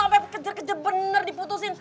ampe keje keje bener diputusin